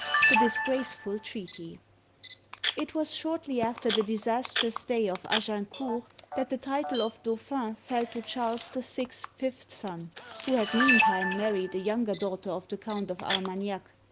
THE DISGRACEFUL TREATY IT was shortly after the disastrous day of Agincourt, that the title of Dauphin fell to Charles VI. *s fifth son, who had meantime married a younger daughter of the Count of Armagnac.